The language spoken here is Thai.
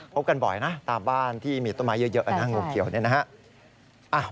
กันบ่อยนะตามบ้านที่มีต้นไม้เยอะนะงูเขียวนี่นะฮะ